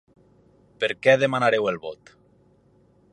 Per què demanareu el vot?